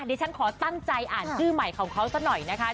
ดิฉันขอตั้งใจอ่านชื่อใหม่ของเขาซะหน่อยนะคะ